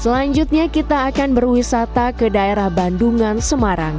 selanjutnya kita akan berwisata ke daerah bandungan semarang